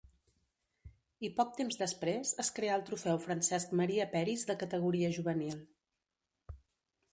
I poc temps després es creà el Trofeu Francesc Maria Peris de categoria juvenil.